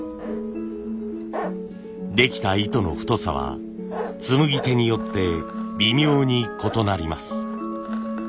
できた糸の太さはつむぎ手によって微妙に異なります。